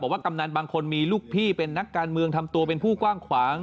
กำนันบางคนมีลูกพี่เป็นนักการเมืองทำตัวเป็นผู้กว้างขวาง